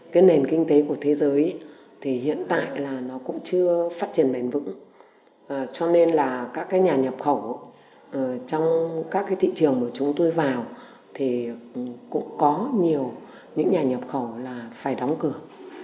cái nền kinh tế của thế giới thì hiện tại là nó cũng chưa phát triển bền vững cho nên là các cái nhà nhập khẩu trong các cái thị trường mà chúng tôi vào thì cũng có nhiều những nhà nhập khẩu là phải đóng cửa